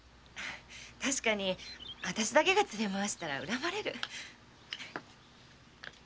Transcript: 確かにあたしだけが連れ回したら恨まれる。